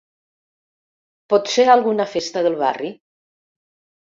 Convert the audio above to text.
Potser alguna festa del barri.